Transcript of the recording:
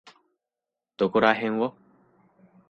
どこらへんを？